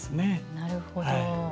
なるほど。